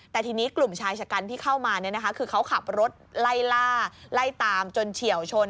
แต่ทีนี้กลุ่มชายชะกันที่เข้ามาคือเขาขับรถไล่ล่าไล่ตามจนเฉียวชน